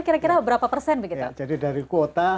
kira kira berapa persen begitu jadi dari kuota